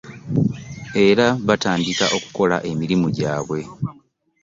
Era batandika okukola emirimu gyabwe.